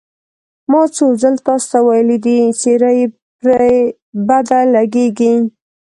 ما څو ځل تاسې ته ویلي دي، څېره یې پرې بده لګېږي.